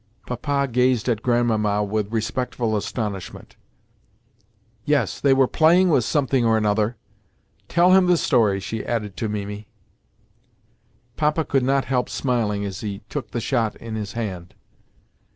Papa gazed at Grandmamma with respectful astonishment. "Yes, they were playing with something or another. Tell him the story," she added to Mimi. Papa could not help smiling as he took the shot in his hand.